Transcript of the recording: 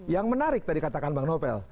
yang menarik tadi katakan bang novel